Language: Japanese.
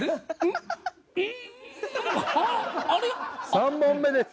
３本目です。